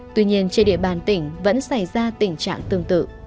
tuy nhiên trên địa bàn tỉnh vẫn xảy ra tình trạng tương tự